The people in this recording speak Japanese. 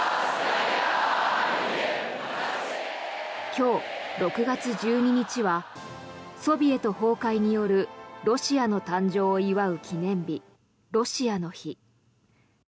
今日６月１２日はソビエト崩壊によるロシアの誕生を祝う記念日ロシアの日。